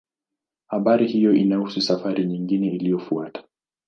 Habari hiyo inahusu safari nyingine iliyofuata.